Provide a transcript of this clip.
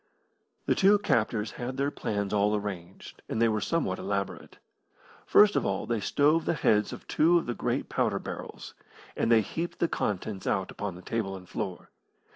The two captors had their plans all arranged, and they were somewhat elaborate. First of all they stove the heads of two of the great powder barrels, and they heaped the contents out upon the table and floor.